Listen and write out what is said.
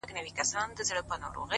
پوه انسان له اختلافه زده کړه کوي!